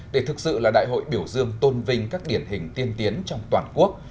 để thực sự là đại hội biểu dương tôn vinh các điển hình tiên tiến trong toàn quốc